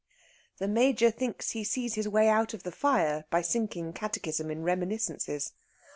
The Major thinks he sees his way out of the fire by sinking catechism in reminiscences.